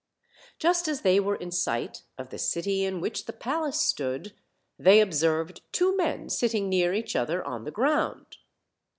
Just as they were in sight of the city in which the palace stood, they observed two men sitting near each other on the ground.